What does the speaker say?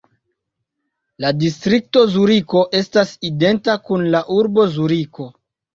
La distrikto Zuriko estas identa kun la urbo Zuriko.